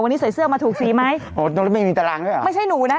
วันนี้ใส่เสื้อมาถูกสีไหมโอ้ตรงนี้ไม่มีตารางด้วยเหรอไม่ใช่หนูนะ